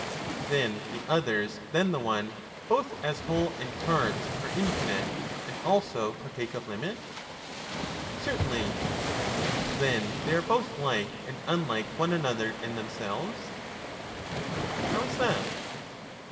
Then the others than the one, both as whole and parts, both as are infinite, and also partake of limit. J^* *° Certainly. Then they are both like and unlike one another and Wherefore themselves. "^^^^ How is that